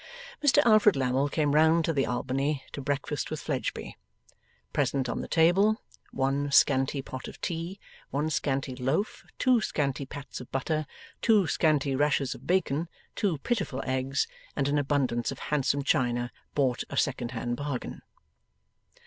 Mr Alfred Lammle came round to the Albany to breakfast with Fledgeby. Present on the table, one scanty pot of tea, one scanty loaf, two scanty pats of butter, two scanty rashers of bacon, two pitiful eggs, and an abundance of handsome china bought a secondhand bargain.